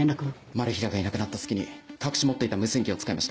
マル被らがいなくなった隙に隠し持っていた無線機を使いました。